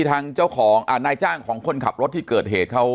ทางเจ้าของนายจ้างของคนขับรถที่เกิดเหตุเขา